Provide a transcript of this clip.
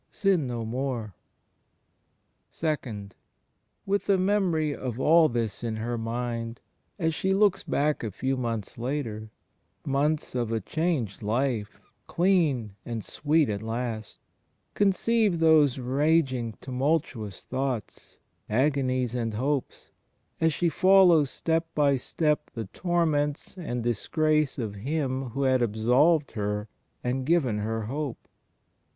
Sin no more." (ii) With the memory of all this in her mind, as she CHRIST IN HIS HISTORICAL LIFE 1 59 looks back a few months later — months of a changed life, clean and sweet at last — conceive those raging tumultuous thoughts, agonies and hopes, as she follows step by step the torments and disgrace of Him who had absolved her and given her hope.